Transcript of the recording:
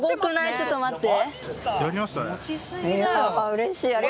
ちょっと待って。